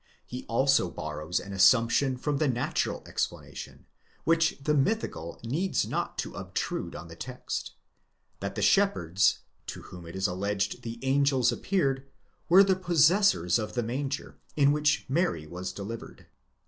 He also borrows an assumption from the natural explanation, which the mythical needs not to obtrude on the text: that the shepherds, to whom it is alleged the angels appeared, were the possessors of the manger in which Mary was delivered.